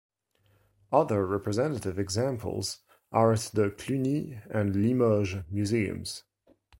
Other representative examples are at the Cluny and Limoges museums.